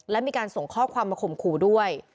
และมีการส่งข้อความมาข่มขู่ด้วย